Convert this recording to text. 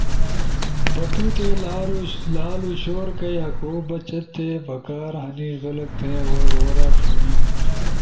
پدتو تے لالو شور کئی آکو بچتھے۔ پکار ہنی خلق تھئی آواز غورا ݜُونین۔